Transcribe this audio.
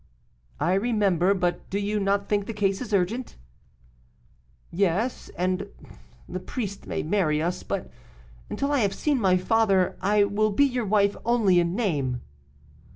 'I remember; but do you not think the case urgent?' 'Yes, and the priest may marry us, but, until I have seen my father, I will be your wife only in name.